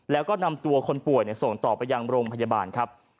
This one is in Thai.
แล้วก็นำตัวคนป่วยส่งต่อไปยังโรงพยาบาลครับ